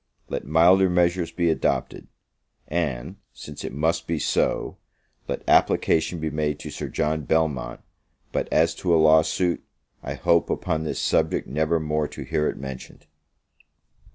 Let milder measures be adopted: and since it must be so let application be made to Sir John Belmont, but as to a law suit, I hope, upon this subject, never more to hear it mentioned.